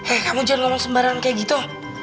eh kamu jangan ngomong sembarangan kayak gitu